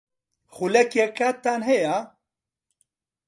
خولەکێک کاتتان ھەیە؟